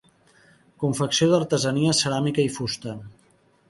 Confecció d'artesanies, ceràmica i fusta.